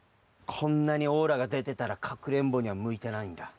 こんなにオーラがでてたらかくれんぼにはむいてないんだ。